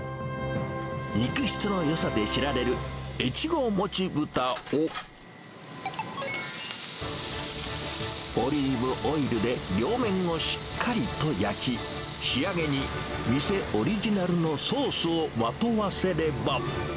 肉質のよさで知られる越後もちぶたを、オリーブオイルで両面をしっかりと焼き、仕上げに店オリジナルのソースをまとわせれば。